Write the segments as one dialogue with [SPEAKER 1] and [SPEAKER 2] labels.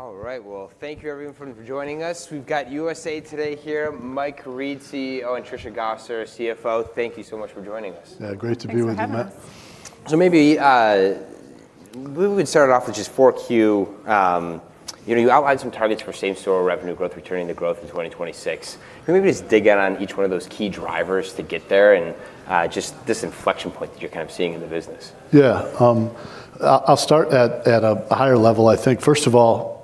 [SPEAKER 1] All right. Well, thank you everyone for joining us. We've got USA TODAY here, Mike Reed, CEO, and Trisha Gosser, CFO. Thank you so much for joining us.
[SPEAKER 2] Yeah, great to be with you, Matt.
[SPEAKER 1] Thanks for having us. Maybe we would start off with just Q4. You know, you outlined some targets for same store revenue growth, returning to growth in 2026. Can we maybe just dig in on each one of those key drivers to get there and just this inflection point that you're kind of seeing in the business?
[SPEAKER 2] Yeah. I'll start at a higher level. I think first of all,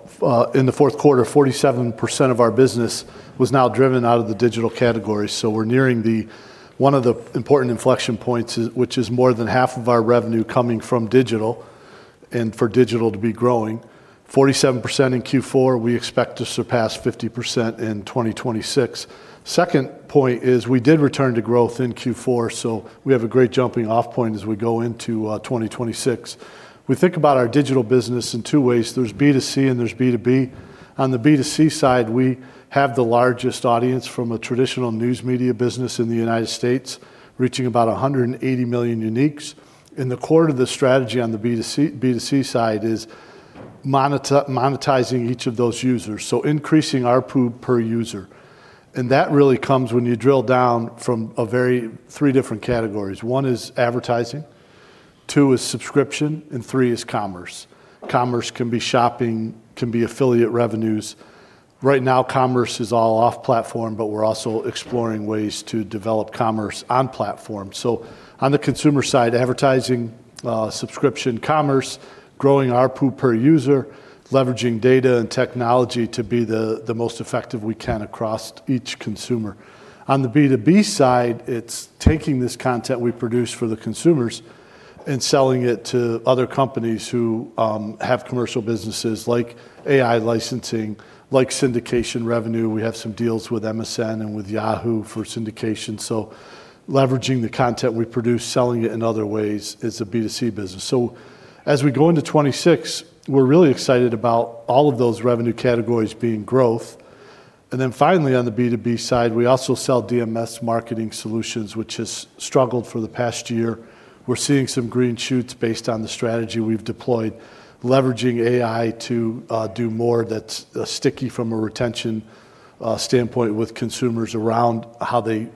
[SPEAKER 2] in the fourth quarter, 47% of our business was now driven out of the digital category, we're nearing one of the important inflection points, which is more than half of our revenue coming from digital and for digital to be growing. 47% in Q4, we expect to surpass 50% in 2026. Second point is we did return to growth in Q4, we have a great jumping-off point as we go into 2026. We think about our digital business in two ways. There's B2C, and there's B2B. On the B2C side, we have the largest audience from a traditional news media business in the United States, reaching about 180 million uniques. The core to the strategy on the B2C side is monetizing each of those users, so increasing ARPU per user. That really comes when you drill down from a very three different categories. One is advertising, two is subscription, and three is commerce. Commerce can be shopping, can be affiliate revenues. Right now, commerce is all off platform, but we're also exploring ways to develop commerce on platform. On the consumer side, advertising, subscription, commerce, growing ARPU per user, leveraging data and technology to be the most effective we can across each consumer. On the B2B side, it's taking this content we produce for the consumers and selling it to other companies who have commercial businesses like AI licensing, like syndication revenue. We have some deals with MSN and with Yahoo for syndication, so leveraging the content we produce, selling it in other ways is a B2C business. As we go into 2026, we're really excited about all of those revenue categories being growth. Finally, on the B2B side, we also sell DMS marketing solutions, which has struggled for the past year. We're seeing some green shoots based on the strategy we've deployed, leveraging AI to do more that's sticky from a retention standpoint with consumers around how they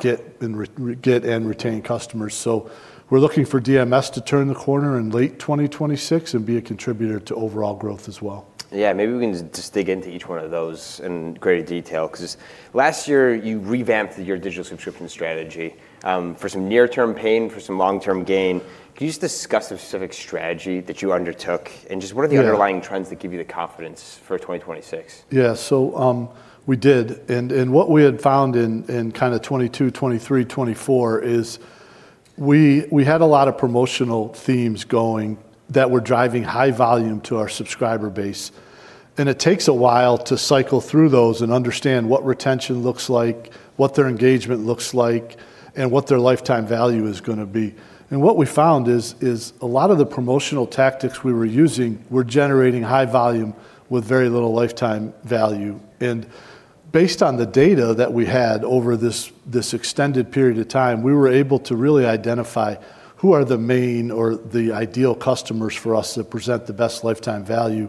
[SPEAKER 2] get and retain customers. We're looking for DMS to turn the corner in late 2026 and be a contributor to overall growth as well.
[SPEAKER 1] Maybe we can just dig into each one of those in greater detail, 'cause last year you revamped your digital subscription strategy, for some near-term pain, for some long-term gain. Can you just discuss the specific strategy that you undertook?
[SPEAKER 2] Yeah...
[SPEAKER 1] underlying trends that give you the confidence for 2026?
[SPEAKER 2] Yeah. We did. What we had found in kinda 2022, 2023, 2024 is we had a lot of promotional themes going that were driving high volume to our subscriber base. It takes a while to cycle through those and understand what retention looks like, what their engagement looks like, and what their lifetime value is gonna be. What we found is a lot of the promotional tactics we were using were generating high volume with very little lifetime value. Based on the data that we had over this extended period of time, we were able to really identify who are the main or the ideal customers for us that present the best lifetime value.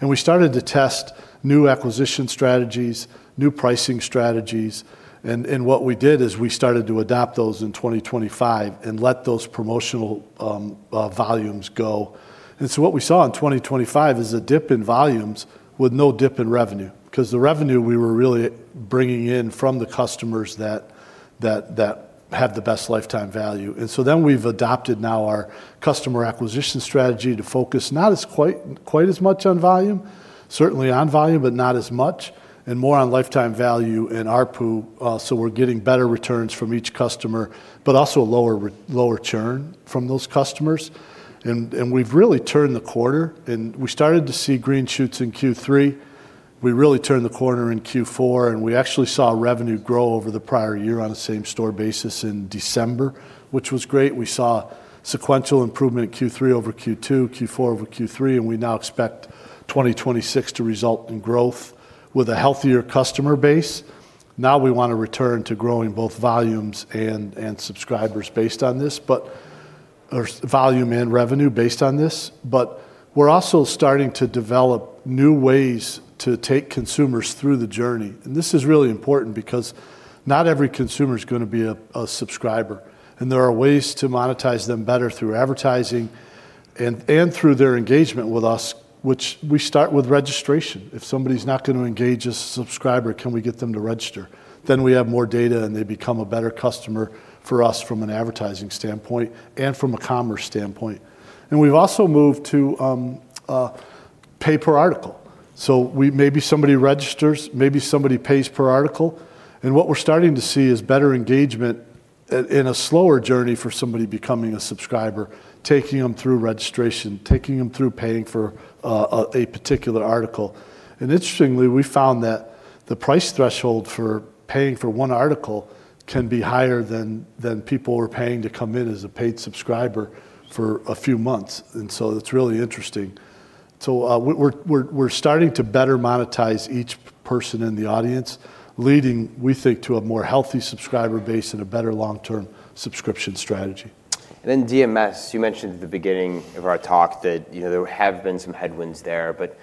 [SPEAKER 2] We started to test new acquisition strategies, new pricing strategies. What we did is we started to adopt those in 2025 and let those promotional volumes go. What we saw in 2025 is a dip in volumes with no dip in revenue, 'cause the revenue we were really bringing in from the customers that had the best lifetime value. We've adopted now our customer acquisition strategy to focus not as quite as much on volume, certainly on volume, but not as much, and more on lifetime value and ARPU. We're getting better returns from each customer, but also lower churn from those customers. We've really turned the corner, and we started to see green shoots in Q3. We really turned the corner in Q4, and we actually saw revenue grow over the prior year on a same-store basis in December, which was great. We saw sequential improvement in Q3 over Q2, Q4 over Q3, and we now expect 2026 to result in growth with a healthier customer base. Now we wanna return to growing both volumes and subscribers based on this. Or volume and revenue based on this, but we're also starting to develop new ways to take consumers through the journey. This is really important because not every consumer is gonna be a subscriber, and there are ways to monetize them better through advertising and through their engagement with us, which we start with registration. If somebody's not gonna engage as a subscriber, can we get them to register? We have more data, they become a better customer for us from an advertising standpoint and from a commerce standpoint. We've also moved to a pay per article. Maybe somebody registers, maybe somebody pays per article, and what we're starting to see is better engagement and a slower journey for somebody becoming a subscriber, taking them through registration, taking them through paying for a particular article. Interestingly, we found that the price threshold for paying for one article can be higher than people who are paying to come in as a paid subscriber for a few months, it's really interesting. We're starting to better monetize each person in the audience, leading, we think, to a more healthy subscriber base and a better long-term subscription strategy.
[SPEAKER 1] DMS, you mentioned at the beginning of our talk that, you know, there have been some headwinds there, but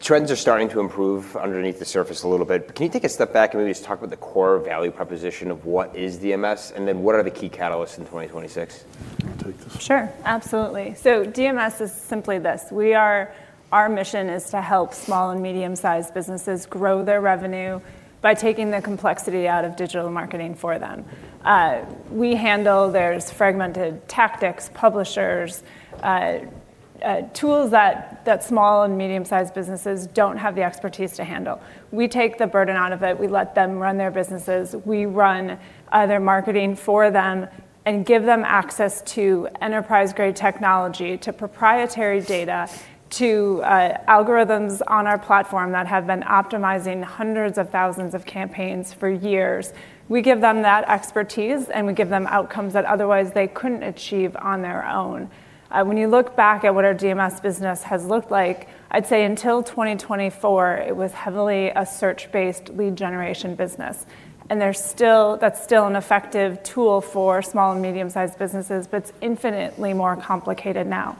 [SPEAKER 1] trends are starting to improve underneath the surface a little bit. Can you take a step back and maybe just talk about the core value proposition of what is DMS, and then what are the key catalysts in 2026?
[SPEAKER 2] I'll take this.
[SPEAKER 3] Sure. Absolutely. DMS is simply this. Our mission is to help small and medium-sized businesses grow their revenue by taking the complexity out of digital marketing for them. We handle their fragmented tactics, publishers, tools that small and medium-sized businesses don't have the expertise to handle. We take the burden out of it. We let them run their businesses. We run their marketing for them and give them access to enterprise-grade technology, to proprietary data, to algorithms on our platform that have been optimizing hundreds of thousands of campaigns for years. We give them that expertise, and we give them outcomes that otherwise they couldn't achieve on their own. When you look back at what our DMS business has looked like, I'd say until 2024, it was heavily a search-based lead generation business, and there's still... that's still an effective tool for small and medium-sized businesses, but it's infinitely more complicated now.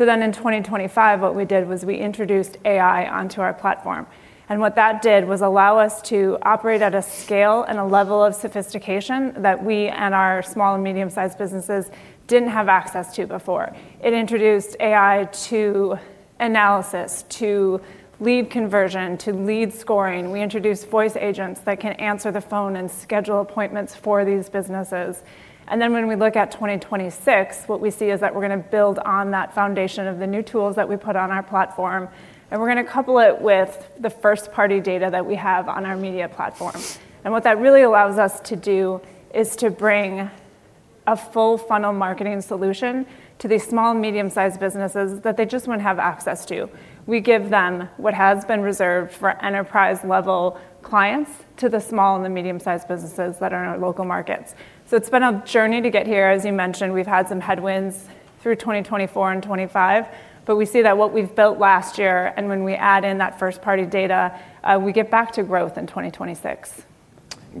[SPEAKER 3] In 2025, what we did was we introduced AI onto our platform, and what that did was allow us to operate at a scale and a level of sophistication that we and our small and medium-sized businesses didn't have access to before. It introduced AI to analysis, to lead conversion, to lead scoring. We introduced voice agents that can answer the phone and schedule appointments for these businesses. When we look at 2026, what we see is that we're gonna build on that foundation of the new tools that we put on our platform, and we're gonna couple it with the first-party data that we have on our media platform. What that really allows us to do is to bring a full funnel marketing solution to these small and medium-sized businesses that they just wouldn't have access to. We give them what has been reserved for enterprise-level clients to the small and the medium-sized businesses that are in our local markets. It's been a journey to get here, as you mentioned. We've had some headwinds through 2024 and 25, but we see that what we've built last year and when we add in that first-party data, we get back to growth in 2026.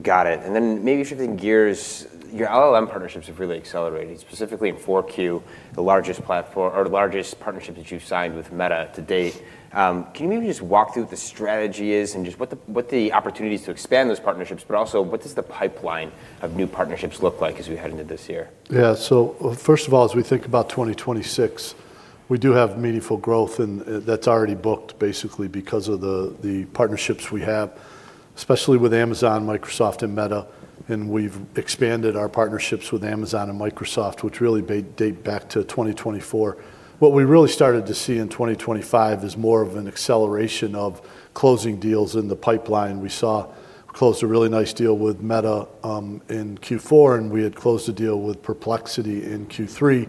[SPEAKER 1] Got it. Maybe shifting gears, your LLM partnerships have really accelerated, specifically in 4Q, the largest platform or the largest partnership that you've signed with Meta to date. Can you maybe just walk through what the strategy is and just what the opportunities to expand those partnerships, but also what does the pipeline of new partnerships look like as we head into this year?
[SPEAKER 2] Yeah. First of all, as we think about 2026, we do have meaningful growth, and that's already booked basically because of the partnerships we have, especially with Amazon, Microsoft, and Meta, and we've expanded our partnerships with Amazon and Microsoft, which really date back to 2024. What we really started to see in 2025 is more of an acceleration of closing deals in the pipeline. closed a really nice deal with Meta in Q4, and we had closed a deal with Perplexity in Q3,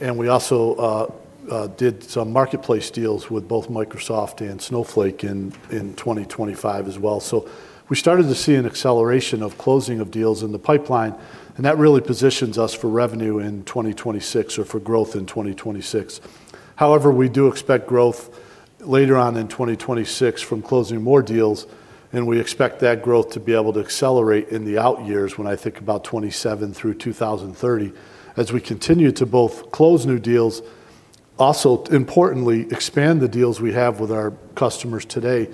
[SPEAKER 2] and we also did some marketplace deals with both Microsoft and Snowflake in 2025 as well. We started to see an acceleration of closing of deals in the pipeline, and that really positions us for revenue in 2026 or for growth in 2026. We do expect growth later on in 2026 from closing more deals. We expect that growth to be able to accelerate in the out years when I think about 2027 through 2030. We continue to both close new deals, also importantly expand the deals we have with our customers today,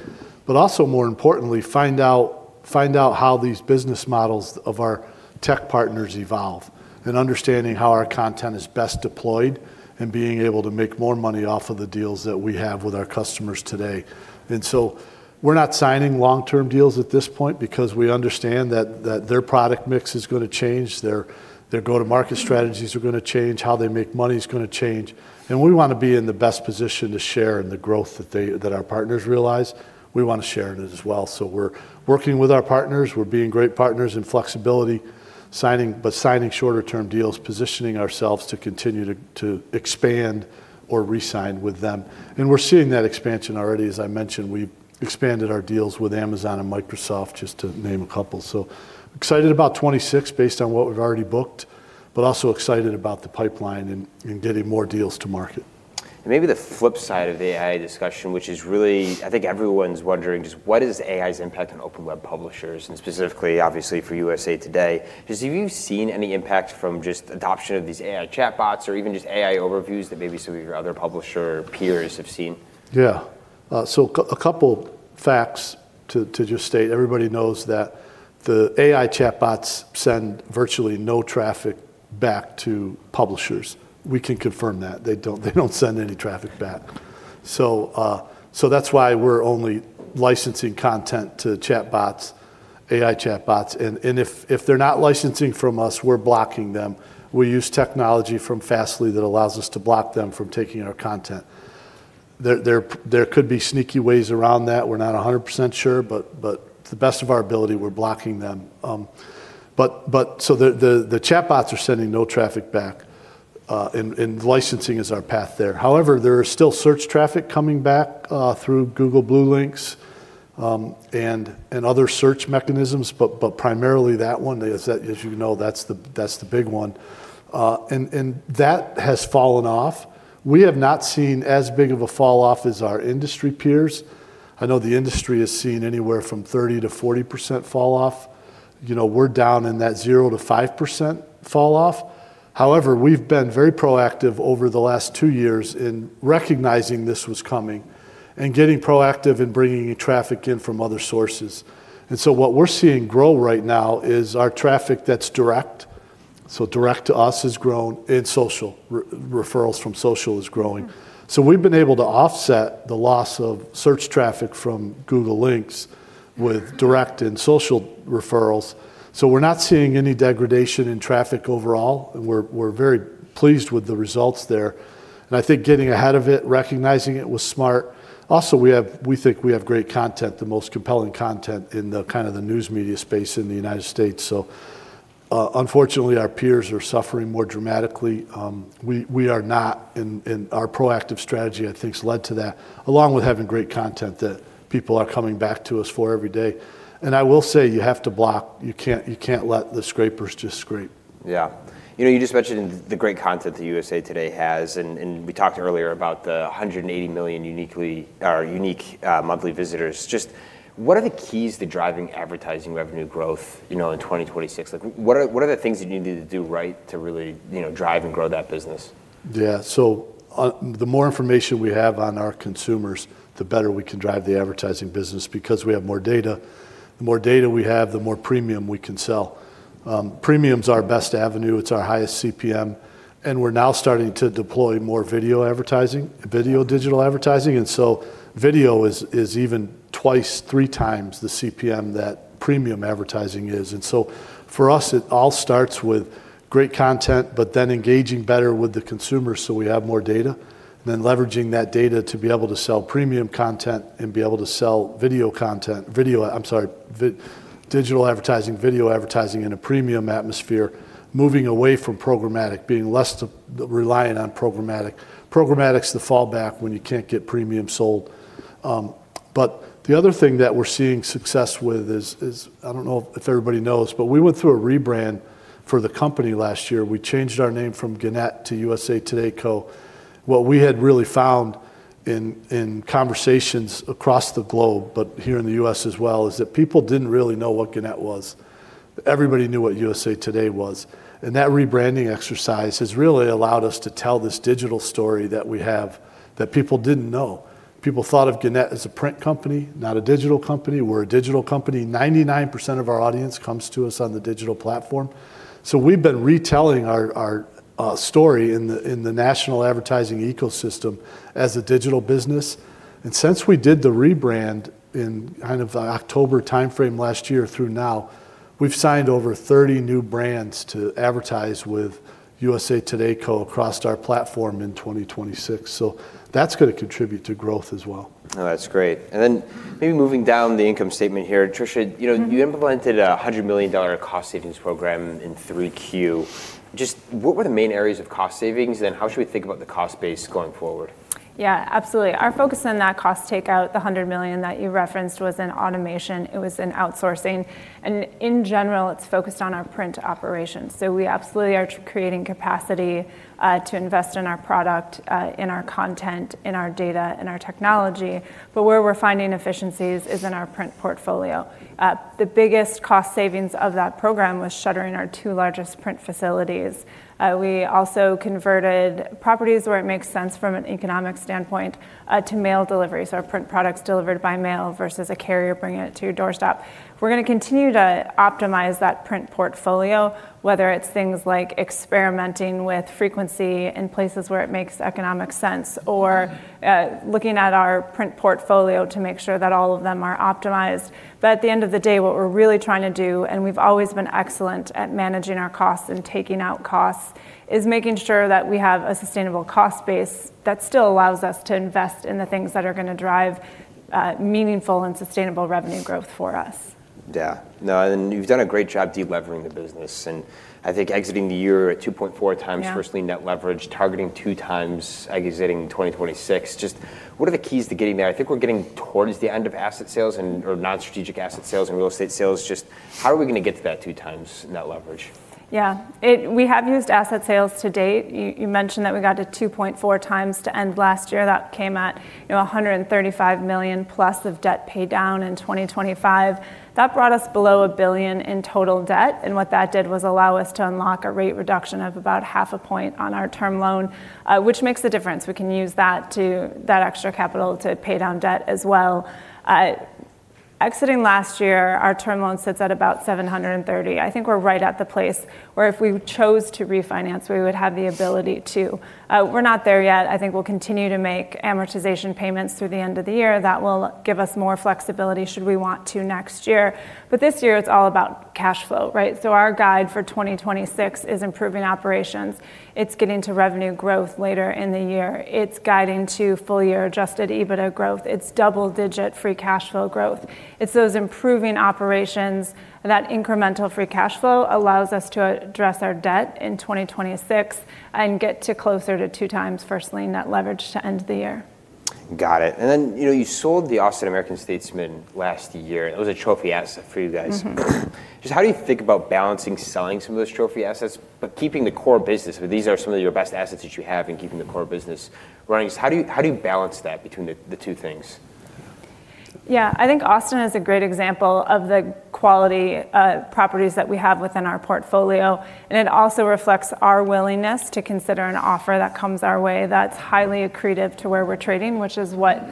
[SPEAKER 2] but also more importantly, find out how these business models of our tech partners evolve and understanding how our content is best deployed and being able to make more money off of the deals that we have with our customers today. We're not signing long-term deals at this point because we understand that their product mix is gonna change, their go-to-market strategies are gonna change, how they make money is gonna change, and we wanna be in the best position to share in the growth that they... that our partners realize. We wanna share in it as well. We're working with our partners. We're being great partners in flexibility, signing shorter term deals, positioning ourselves to continue to expand or re-sign with them, We're seeing that expansion already. As I mentioned, we expanded our deals with Amazon and Microsoft, just to name a couple. Excited about 26 based on what we've already booked, but also excited about the pipeline and getting more deals to market.
[SPEAKER 1] Maybe the flip side of the AI discussion, which is really I think everyone's wondering just what is AI's impact on open web publishers and specifically obviously for USA TODAY. Just have you seen any impact from just adoption of these AI chatbots or even just AI overviews that maybe some of your other publisher peers have seen?
[SPEAKER 2] Yeah. So a couple facts to just state. Everybody knows that the AI chatbots send virtually no traffic back to publishers. We can confirm that. They don't send any traffic back. That's why we're only licensing content to chatbots, AI chatbots, and if they're not licensing from us, we're blocking them. We use technology from Fastly that allows us to block them from taking our content. There could be sneaky ways around that. We're not 100% sure, but to the best of our ability, we're blocking them. But so the chatbots are sending no traffic back, and licensing is our path there. However, there are still search traffic coming back through Google blue links, and other search mechanisms, but primarily that one. As you know, that's the big one. That has fallen off. We have not seen as big of a falloff as our industry peers. I know the industry has seen anywhere from 30-40% falloff. You know, we're down in that 0-5% falloff. However, we've been very proactive over the last two years in recognizing this was coming and getting proactive in bringing traffic in from other sources. What we're seeing grow right now is our traffic that's direct. Direct to us has grown, and social referrals from social is growing. We've been able to offset the loss of search traffic from Google links with direct and social referrals. We're not seeing any degradation in traffic overall. We're very pleased with the results there. I think getting ahead of it, recognizing it was smart. We think we have great content, the most compelling content in the kinda the news media space in the United States, so. Unfortunately, our peers are suffering more dramatically. We are not and our proactive strategy, I think, has led to that, along with having great content that people are coming back to us for every day. I will say you have to block. You can't let the scrapers just scrape.
[SPEAKER 1] Yeah. You know, you just mentioned the great content that USA Today has, and we talked earlier about the 180 million unique monthly visitors. Just what are the keys to driving advertising revenue growth, you know, in 2026? Like what are the things that you need to do right to really, you know, drive and grow that business?
[SPEAKER 2] Yeah. The more information we have on our consumers, the better we can drive the advertising business because we have more data. The more data we have, the more premium we can sell. Premium's our best avenue, it's our highest CPM, we're now starting to deploy more video advertising, video digital advertising. Video is even two times, three times the CPM that premium advertising is. For us, it all starts with great content, engaging better with the consumer so we have more data. Leveraging that data to be able to sell premium content and be able to sell video content, digital advertising, video advertising in a premium atmosphere, moving away from programmatic, being less de-reliant on programmatic. Programmatic's the fallback when you can't get premium sold. The other thing that we're seeing success with, I don't know if everybody knows, we went through a rebrand for the company last year. We changed our name from Gannett to USA TODAY Co. What we had really found in conversations across the globe, but here in the U.S. as well, is that people didn't really know what Gannett was. Everybody knew what USA TODAY was. That rebranding exercise has really allowed us to tell this digital story that we have that people didn't know. People thought of Gannett as a print company, not a digital company. We're a digital company. 99% of our audience comes to us on the digital platform. We've been retelling our story in the national advertising ecosystem as a digital business. Since we did the rebrand in kind of the October timeframe last year through now, we've signed over 30 new brands to advertise with USA Today Co. across our platform in 2026. That's gonna contribute to growth as well.
[SPEAKER 1] Oh, that's great. Maybe moving down the income statement here, Trisha, you know... You implemented a $100 million cost savings program in 3Q. Just what were the main areas of cost savings, and how should we think about the cost base going forward?
[SPEAKER 3] Absolutely. Our focus on that cost takeout, the $100 million that you referenced, was in automation, it was in outsourcing, and in general, it's focused on our print operations. We absolutely are creating capacity to invest in our product, in our content, in our data, in our technology. Where we're finding efficiencies is in our print portfolio. The biggest cost savings of that program was shuttering our two largest print facilities. We also converted properties where it makes sense from an economic standpoint to mail delivery, so our print product's delivered by mail versus a carrier bringing it to your doorstep. We're gonna continue to optimize that print portfolio, whether it's things like experimenting with frequency in places where it makes economic sense or looking at our print portfolio to make sure that all of them are optimized. At the end of the day, what we're really trying to do, and we've always been excellent at managing our costs and taking out costs, is making sure that we have a sustainable cost base that still allows us to invest in the things that are gonna drive meaningful and sustainable revenue growth for us.
[SPEAKER 1] Yeah. No, you've done a great job delevering the business, and I think exiting the year at 2.4x-
[SPEAKER 3] Yeah
[SPEAKER 1] firstly net leverage, targeting 2x exiting 2026. Just what are the keys to getting there? I think we're getting towards the end of asset sales and/or non-strategic asset sales and real estate sales. Just how are we gonna get to that 2x net leverage?
[SPEAKER 3] Yeah. We have used asset sales to date. You mentioned that we got to 2.4x to end last year. That came at, you know, $135 million plus of debt paid down in 2025. That brought us below $1 billion in total debt. What that did was allow us to unlock a rate reduction of about half a point on our term loan, which makes a difference. We can use that extra capital to pay down debt as well. Exiting last year, our term loan sits at about $730 million. I think we're right at the place where if we chose to refinance, we would have the ability to. We're not there yet. I think we'll continue to make amortization payments through the end of the year. That will give us more flexibility should we want to next year. This year it's all about cash flow, right? Our guide for 2026 is improving operations. It's getting to revenue growth later in the year. It's guiding to full year Adjusted EBITDA growth. It's double-digit free cash flow growth. It's those improving operations. That incremental free cash flow allows us to address our debt in 2026 and get to closer to 2x first lien net leverage to end the year.
[SPEAKER 1] Got it. you know, you sold the Austin American-Statesman last year. It was a trophy asset for you guys.
[SPEAKER 3] Mm-hmm.
[SPEAKER 1] Just how do you think about balancing selling some of those trophy assets, keeping the core business? These are some of your best assets that you have in keeping the core business running. How do you balance that between the two things?
[SPEAKER 3] Yeah. I think Austin is a great example of the quality properties that we have within our portfolio, and it also reflects our willingness to consider an offer that comes our way that's highly accretive to where we're trading.
[SPEAKER 1] Mm-hmm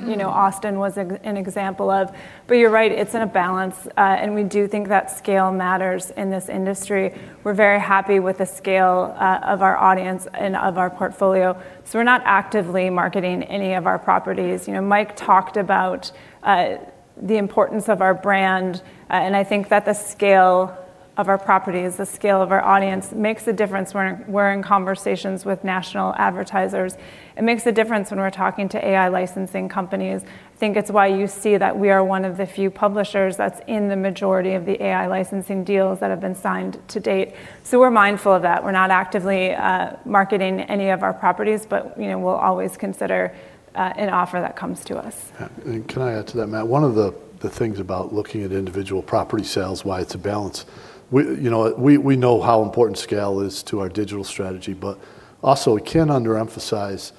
[SPEAKER 3] you know, Austin was an example of. You're right, it's in a balance, and we do think that scale matters in this industry. We're very happy with the scale of our audience and of our portfolio. We're not actively marketing any of our properties. You know, Mike talked about the importance of our brand, and I think that the scale of our properties, the scale of our audience, makes a difference when we're in conversations with national advertisers. It makes a difference when we're talking to AI licensing companies. I think it's why you see that we are one of the few publishers that's in the majority of the AI licensing deals that have been signed to date. We're mindful of that. We're not actively marketing any of our properties, but, you know, we'll always consider an offer that comes to us.
[SPEAKER 1] Yeah.
[SPEAKER 2] Can I add to that, Matt? One of the things about looking at individual property sales, why it's a balance, we, you know, we know how important scale is to our digital strategy, but also we can't underemphasize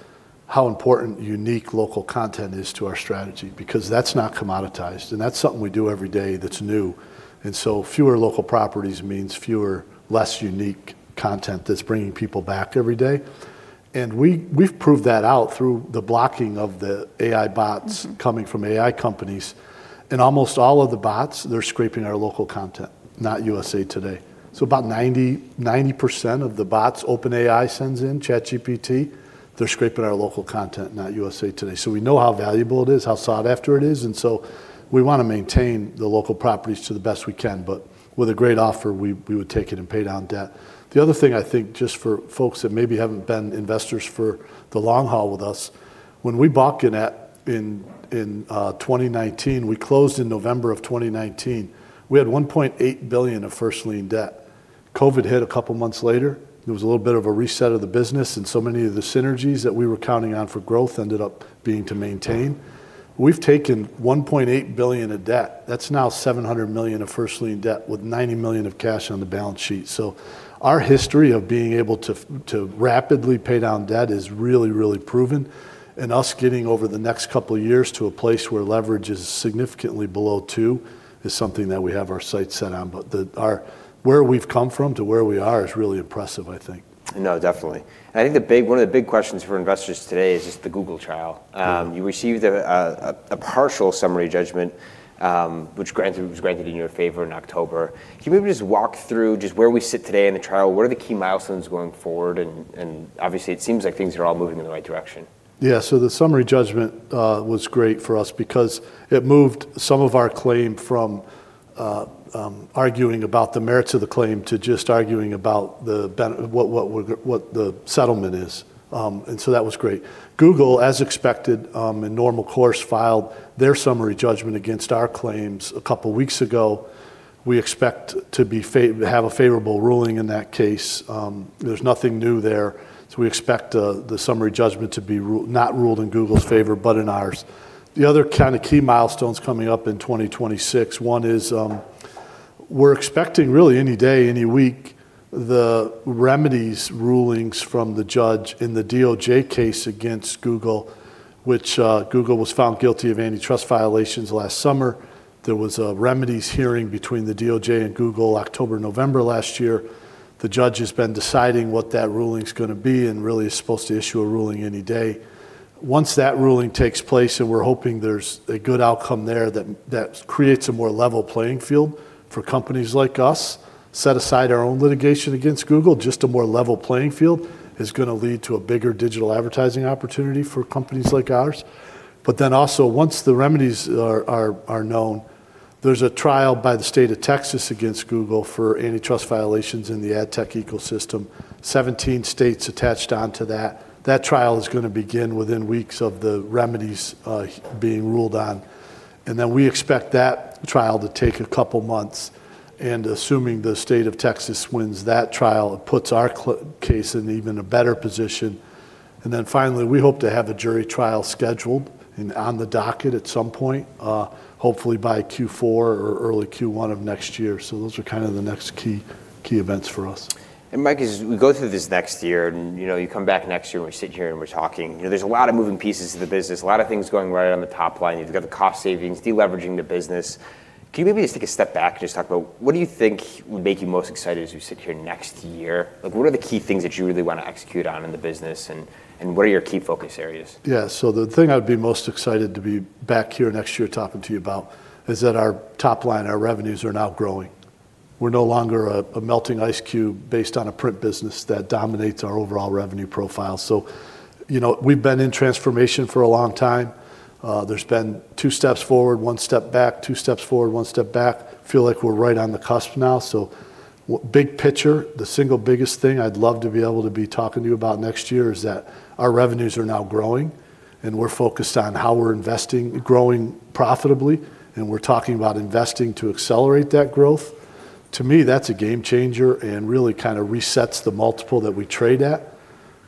[SPEAKER 2] how important unique local content is to our strategy because that's not commoditized, and that's something we do every day that's new. Fewer local properties means fewer, less unique content that's bringing people back every day. We've proved that out through the blocking of the AI bots coming from AI companies, and almost all of the bots, they're scraping our local content, not USA Today. About 90% of the bots OpenAI sends in, ChatGPT, they're scraping our local content, not USA Today. We know how valuable it is, how sought after it is, we wanna maintain the local properties to the best we can. With a great offer, we would take it and pay down debt. The other thing I think just for folks that maybe haven't been investors for the long haul with us, when we bought Gannett in 2019, we closed in November of 2019, we had $1.8 billion of first lien debt. COVID hit a couple months later. There was a little bit of a reset of the business, many of the synergies that we were counting on for growth ended up being to maintain. We've taken $1.8 billion of debt, that's now $700 million of first lien debt with $90 million of cash on the balance sheet. Our history of being able to to rapidly pay down debt is really proven, and us getting over the next couple of years to a place where leverage is significantly below two is something that we have our sights set on. The, our, where we've come from to where we are is really impressive, I think.
[SPEAKER 1] No, definitely. I think the big, one of the big questions for investors today is just the Google trial.
[SPEAKER 2] Yeah.
[SPEAKER 1] You received a partial summary judgment, which was granted in your favor in October. Can you maybe just walk through just where we sit today in the trial? What are the key milestones going forward? Obviously it seems like things are all moving in the right direction.
[SPEAKER 2] Yeah. The summary judgment was great for us because it moved some of our claim from arguing about the merits of the claim to just arguing about what the settlement is. That was great. Google, as expected, in normal course, filed their summary judgment against our claims a couple weeks ago. We expect to have a favorable ruling in that case. There's nothing new there. We expect the summary judgment to be not ruled in Google's favor, but in ours. The other kinda key milestones coming up in 2026, one is, we're expecting really any day, any week, the remedies rulings from the judge in the DOJ case against Google, which Google was found guilty of antitrust violations last summer. There was a remedies hearing between the DOJ and Google October, November last year. The judge has been deciding what that ruling's gonna be and really is supposed to issue a ruling any day. Once that ruling takes place, and we're hoping there's a good outcome there, that creates a more level playing field for companies like us. Set aside our own litigation against Google, just a more level playing field is gonna lead to a bigger digital advertising opportunity for companies like ours. Also once the remedies are known, there's a trial by the State of Texas against Google for antitrust violations in the ad tech ecosystem. 17 states attached onto that. That trial is gonna begin within weeks of the remedies being ruled on. We expect that trial to take a couple months, assuming the State of Texas wins that trial, it puts our case in even a better position. Finally, we hope to have a jury trial scheduled and on the docket at some point, hopefully by Q4 or early Q1 of next year. Those are kinda the next key events for us.
[SPEAKER 1] Mike, as we go through this next year and, you know, you come back next year and we sit here and we're talking, you know, there's a lot of moving pieces to the business, a lot of things going right on the top line. You've got the cost savings, deleveraging the business. Can you maybe just take a step back and just talk about what do you think would make you most excited as we sit here next year? Like, what are the key things that you really wanna execute on in the business, and what are your key focus areas?
[SPEAKER 2] Yeah. The thing I'd be most excited to be back here next year talking to you about is that our top line, our revenues, are now growing. We're no longer a melting ice cube based on a print business that dominates our overall revenue profile. You know, we've been in transformation for a long time. There's been two steps forward, one step back, two steps forward, one step back. Feel like we're right on the cusp now. Big picture, the single biggest thing I'd love to be able to be talking to you about next year is that our revenues are now growing, and we're focused on how we're investing, growing profitably, and we're talking about investing to accelerate that growth. To me, that's a game changer and really kinda resets the multiple that we trade at.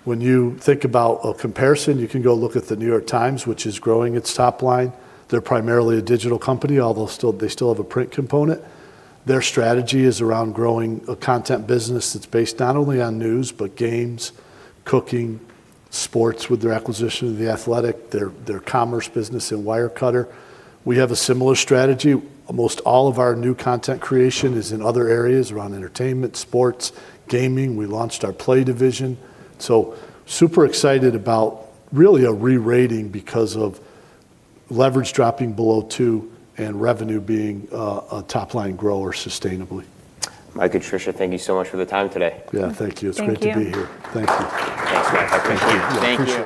[SPEAKER 2] When you think about a comparison, you can go look at The New York Times, which is growing its top line. They're primarily a digital company, although still, they still have a print component. Their strategy is around growing a content business that's based not only on news, but games, cooking, sports with their acquisition of The Athletic, their commerce business in Wirecutter. We have a similar strategy. Almost all of our new content creation is in other areas around entertainment, sports, gaming. We launched our play division. Super excited about really a re-rating because of leverage dropping below two and revenue being a top-line grower sustainably.
[SPEAKER 1] Mike and Trisha, thank you so much for the time today.
[SPEAKER 2] Yeah. Thank you.
[SPEAKER 3] Thank you.
[SPEAKER 2] It's great to be here. Thank you.
[SPEAKER 1] Thanks, Mike. I appreciate it.
[SPEAKER 2] Yeah, appreciate it.